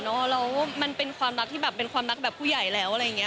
น้องหนำเลยมีความรักที่เป็นความรักกับผู้ใหญ่แล้ว